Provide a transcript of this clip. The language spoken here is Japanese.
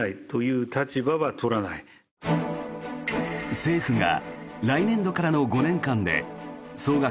政府が来年度からの５年間で総額